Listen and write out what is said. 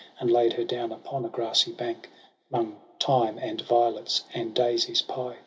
And laid her down upon a grassy bank, 'Mong thyme and violets and daisies pied.